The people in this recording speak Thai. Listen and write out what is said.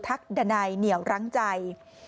ทักดนัยเหนียวรังใจ